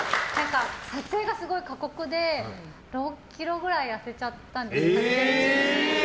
撮影がすごい過酷で６ｋｇくらい痩せちゃったんです。